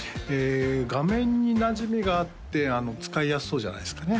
画面になじみがあって使いやすそうじゃないですかね